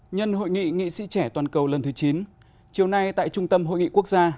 nhân hội nghị nghị sĩ trẻ toàn cầu lần thứ chín chiều nay tại trung tâm hội nghị quốc gia